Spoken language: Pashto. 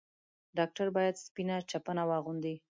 ډاکټر بايد سپينه چپنه واغوندي.